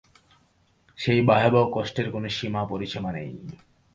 সেই ভয়াবহ কষ্টের কোনো সীমা-পরিসীমা নেই।